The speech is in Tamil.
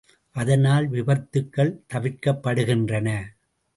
அதனால் விபத்துகள் தவிர்க்கப்படுகின்றன.